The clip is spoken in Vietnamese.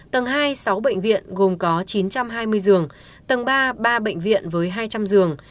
tầng hai sáu bệnh viện gồm có chín trăm hai mươi giường tầng ba ba bệnh viện với hai trăm linh giường